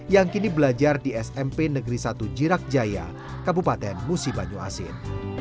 yang kini belajar di smp negeri satu jirak jaya kabupaten musi banyuasin